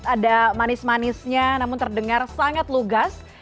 ada manis manisnya namun terdengar sangat lugas